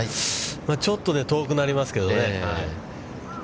ちょっと遠くなりますけどね。